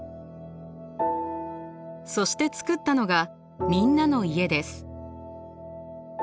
そして作ったのがみんなの家です。